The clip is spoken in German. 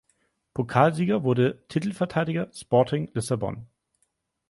Pokalsieger wurde Titelverteidiger Sporting Lissabon.